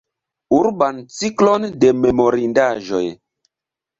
Urban cirklon de memorindaĵoj.